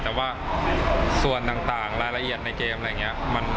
แต่ว่าส่วนต่างรายละเอียดในเกม